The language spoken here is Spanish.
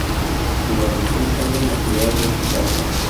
Su guarnición se halla en la ciudad de Salta.